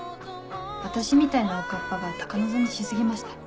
私みたいなおかっぱが高望みし過ぎました。